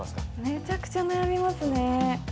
めちゃくちゃ悩みますね。